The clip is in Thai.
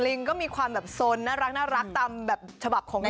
ลิงก็มีความแบบสนน่ารักตามแบบฉบับของมัน